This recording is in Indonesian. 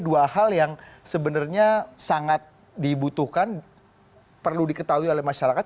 dua hal yang sebenarnya sangat dibutuhkan perlu diketahui oleh masyarakat